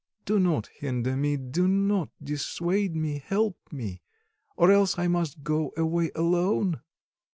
Do not hinder me, do not dissuade me, help me, or else I must go away alone."